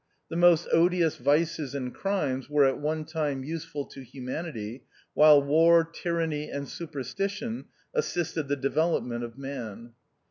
The most odious vices and crimes were at one time useful to humanity, while war, tyranny, and supersti tion assisted the development of man.